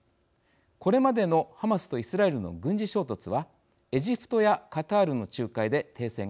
これまでのハマスとイスラエルの軍事衝突はエジプトやカタールの仲介で停戦が実現しました。